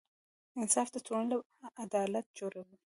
انصاف د ټولنې عدالت جوړوي.